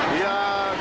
dia dua belas hari